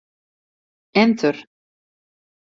Enter.